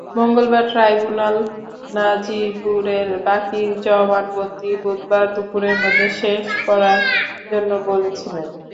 মঙ্গলবার ট্রাইব্যুনাল নাজিবুরের বাকি জবানবন্দি বুধবার দুপুরের মধ্যে শেষ করার জন্য বলেছিলেন।